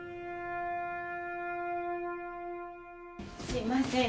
すいません。